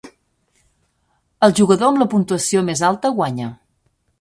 El jugador amb la puntuació més alta guanya.